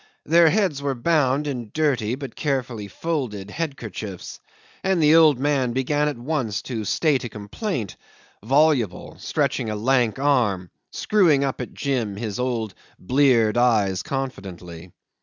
Their heads were bound in dirty but carefully folded headkerchiefs, and the old man began at once to state a complaint, voluble, stretching a lank arm, screwing up at Jim his old bleared eyes confidently.